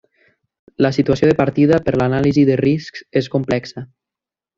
La situació de partida per l’anàlisi de riscs és complexa.